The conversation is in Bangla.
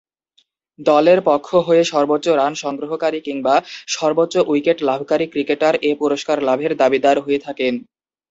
দলের পক্ষ হয়ে সর্বোচ্চ রান সংগ্রহকারী কিংবা সর্বোচ্চ উইকেট লাভকারী ক্রিকেটার এ পুরস্কার লাভের দাবীদার হয়ে থাকেন।